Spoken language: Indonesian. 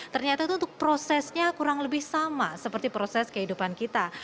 ternyata itu untuk prosesnya kurang lebih sama seperti proses kehidupan kita